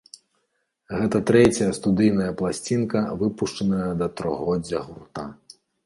Гэта трэцяя студыйная пласцінка, выпушчаная да трохгоддзя гурта.